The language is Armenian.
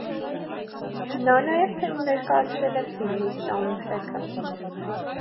Նա նաև ներկայացրել է ֆիլմի սաունդթրեքը։